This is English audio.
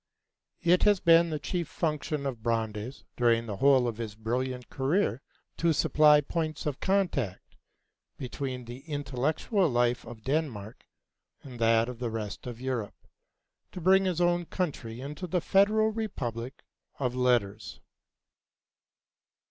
It has been the chief function of Brandes, during the whole of his brilliant career, to supply points of contact between the intellectual life of Denmark and that of the rest of Europe, to bring his own country into the federal republic of letters.